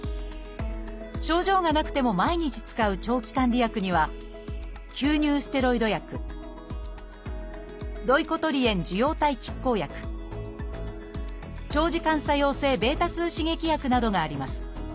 症状がなくても毎日使う「長期管理薬」には吸入ステロイド薬ロイコトリエン受容体拮抗薬長時間作用性β刺激薬などがあります